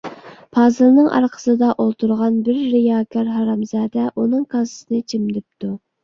پازىلنىڭ ئارقىسىدا ئولتۇرغان بىر رىياكار ھارامزادە ئۇنىڭ كاسىسىنى چىمدىپتۇ.